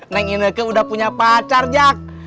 neng ineke udah punya pacar jack